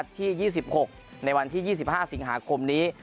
ที่๒๖ในวันที่๒๕สิงหาคมนี้